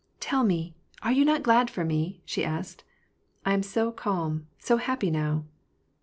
'^ Tell me ! Are you not glad for me ?" she asked. ^'I am so calm, so happy now."